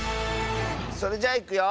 それじゃいくよ！